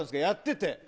やってて。